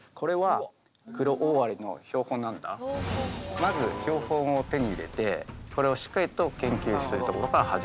まず標本を手に入れてこれをしっかりと研究するところから始めるんだ。